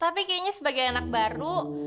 tapi kayaknya sebagai anak baru